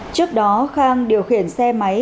trước đó khang điều khiển xe máy